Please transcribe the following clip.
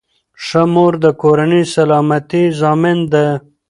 ښه مور د کورنۍ سلامتۍ ضامن ده.